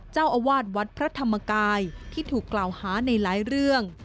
เจ้าอาวาสวัดพระธรรมกายที่ถูกกล่าวหาในหลายเรื่อง